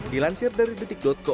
dilansir dari detik co